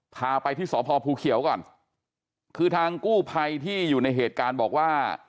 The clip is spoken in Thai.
พาไปที่สพภูเขียวก่อนคือทางกู้ภัยที่อยู่ในเหตุการณ์บอกว่า